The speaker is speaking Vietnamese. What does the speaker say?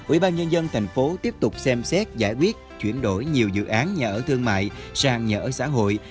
ủy ban nhân dân thành phố tiếp tục xem xét giải quyết chuyển đổi nhiều dự án nhà ở thương mại sang nhà ở xã hội